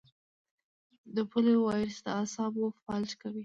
د پولیو وایرس د اعصابو فلج کوي.